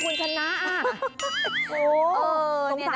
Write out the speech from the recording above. ฟิลเคลียย์